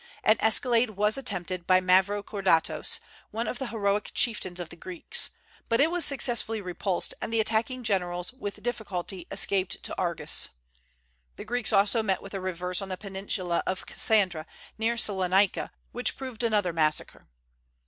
An escalade was attempted by Mavrokordatos, one of the heroic chieftains of the Greeks; but it was successfully repulsed, and the attacking generals with difficulty escaped to Argos. The Greeks also met with a reverse on the peninsula of Cassandra, near Salonica, which proved another massacre.